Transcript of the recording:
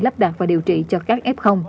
lắp đặt và điều trị cho các f